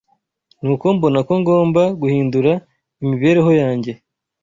Nuko mbona ko ngomba guhindura imibereho yanjye,